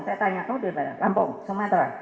saya tanya kamu dari mana lampung sumatera